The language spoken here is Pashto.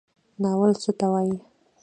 ناول څه ته وایي؟